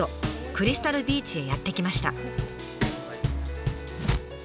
クリスタルビーチへやって来ました。